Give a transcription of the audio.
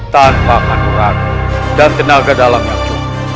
tanpa manurat dan tenaga dalam yang cukup